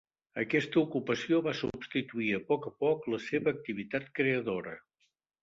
Aquesta ocupació va substituir a poc a poc la seva activitat creadora.